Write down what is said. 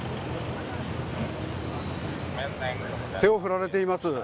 手を振られています。